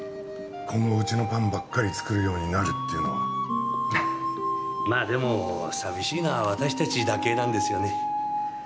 今後うちのパンばっかり作るようになるっていうのはまあでも寂しいのは私達だけなんですよね